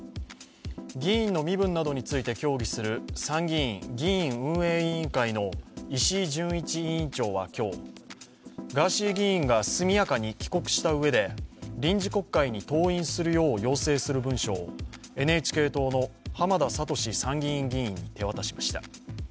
議員の身分などについて協議する参議院議院運営委員会の石井準一委員長は今日、ガーシー議員が速やかに帰国したうえで臨時国会に登院するよう要請する文書をＮＨＫ党の浜田聡参議院議員に手渡しました。